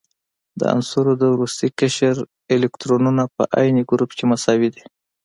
د عنصرونو د وروستي قشر الکترونونه په عین ګروپ کې مساوي دي.